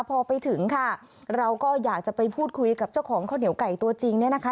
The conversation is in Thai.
พอไปถึงค่ะเราก็อยากจะไปพูดคุยกับเจ้าของข้าวเหนียวไก่ตัวจริงเนี่ยนะคะ